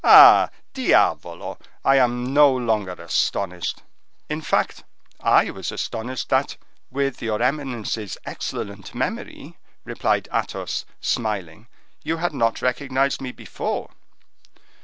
Ah! diavolo! I am no longer astonished." "In fact, I was astonished that, with your eminence's excellent memory," replied Athos, smiling, "you had not recognized me before."